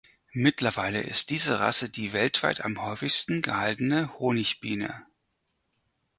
Mittlerweile ist diese Rasse die weltweit am häufigsten gehaltene Honigbiene.